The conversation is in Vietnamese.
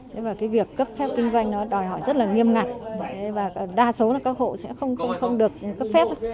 thế và cái việc cấp phép kinh doanh nó đòi hỏi rất là nghiêm ngặt và đa số là các hộ sẽ không được cấp phép